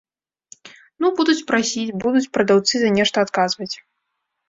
Ну, будуць прасіць, будуць прадаўцы за нешта адказваць.